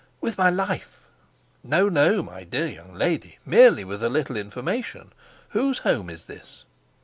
"With my life." "No, no, my dear young lady, merely with a little information. Whose home is this?"